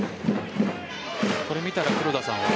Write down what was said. これ見たら黒田さんは。